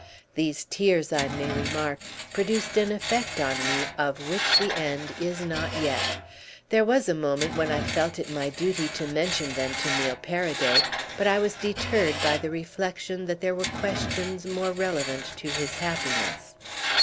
These tears, I may remark, produced an effect on me of which the end is not yet. There was a moment when I felt it my duty to mention them to Neil Paraday, but I was deterred by the reflexion that there were questions more relevant to his happiness.